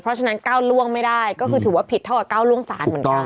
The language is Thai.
เพราะฉะนั้น๙ร่วงไม่ได้ก็คือถือว่าผิดเท่ากับ๙ร่วงศาสตร์เหมือนกัน